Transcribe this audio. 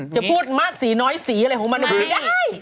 จะพูดมากสีน้อยสีอะไรผมบอกว่าไม่ได้นี่